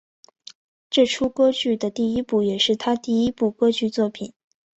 这出歌剧的第一部也是他第一部歌剧作品。